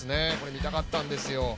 見たかったんです。